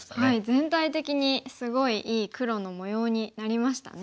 全体的にすごいいい黒の模様になりましたね。